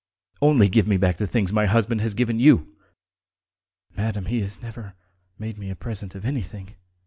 Only give me back the things my husband has given you!" "Madam, he has never made me a present of anything!"